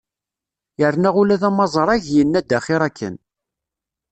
Yerna ula d amaẓrag, yenna-d axir akken.